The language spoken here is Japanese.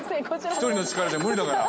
１人の力じゃ無理だから。